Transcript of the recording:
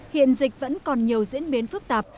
hiện dịch vẫn còn nhiều diễn biến phức tạp